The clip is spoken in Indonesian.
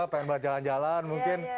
pengen buat jalan jalan mungkin